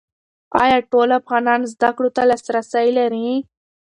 ایا ټول افغانان زده کړو ته لاسرسی لري؟